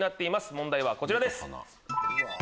問題はこちらです。